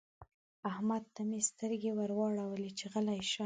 احمد ته مې سترګې ور واړولې چې غلی شه.